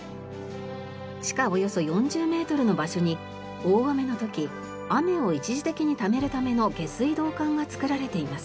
地下およそ４０メートルの場所に大雨の時雨を一時的にためるための下水道管が造られています。